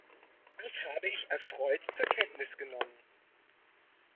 Dies habe ich erfreut zur Kenntnis genommen.